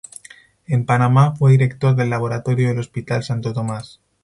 En Panamá fue director del Laboratorio del Hospital Santo Tomás.